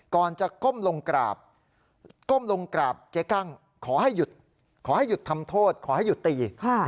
ก่อนจะก้มลงกราบก้มลงกราบเจ๊กั้งขอให้หยุดขอให้หยุดทำโทษขอให้หยุดตี